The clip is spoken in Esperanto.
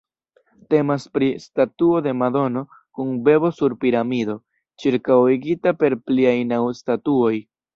Temas pri statuo de Madono kun bebo sur piramido, ĉirkaŭigita per pliaj naŭ statuoj.